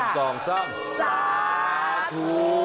สาธุ